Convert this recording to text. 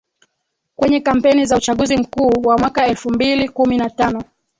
Kwenye kampeni za Uchaguzi Mkuu wa mwaka elfu mbili kumi na tano